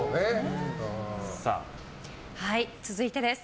続いてです。